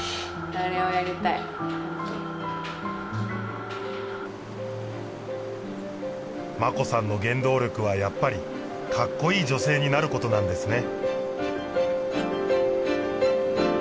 あれをやりたい真子さんの原動力はやっぱりカッコいい女性になることなんですね